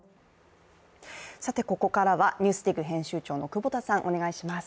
ここからは「ＮＥＷＳＤＩＧ」編集長の久保田さん、お願いします。